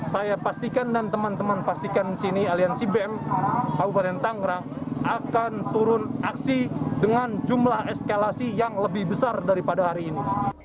saya pastikan dan teman teman pastikan di sini aliansi bem kabupaten tangerang akan turun aksi dengan jumlah eskalasi yang lebih besar daripada hari ini